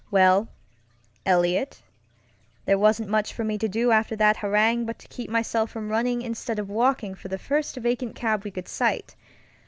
Well, Eliot, there wasn't much for me to do after that harangue but to keep myself from running instead of walking for the first vacant cab we could sight.